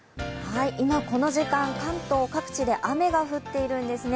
今、この時間、関東各地で雨が降っているんですね。